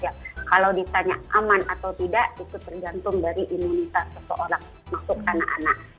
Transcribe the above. ya kalau ditanya aman atau tidak itu tergantung dari imunitas seseorang maksud anak anak